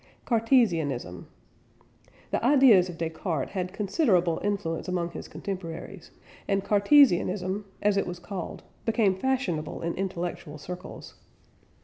CARTESIANISM. The ideas of Descartes had considerable influence among his contemporaries, and Cartesianism, as it was called, became fashionable in intellectual circles.